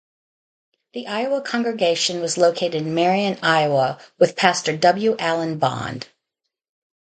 The Iowa congregation was located in Marion, Iowa with pastor W. Allen Bond.